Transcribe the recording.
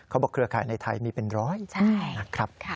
เครือข่ายในไทยมีเป็นร้อยนะครับ